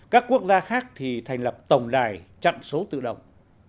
các quốc gia khác thì thành lập tổng đài chặn số tự động